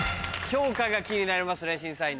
評価が気になりますね審査員の。